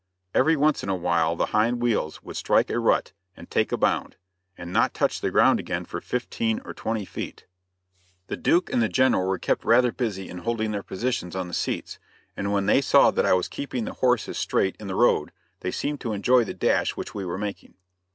Every once in a while the hind wheels would strike a rut and take a bound, and not touch the ground again for fifteen or twenty feet. The Duke and the General were kept rather busy in holding their positions on the seats, and when they saw that I was keeping the horses straight in the road, they seemed to enjoy the dash which we were making.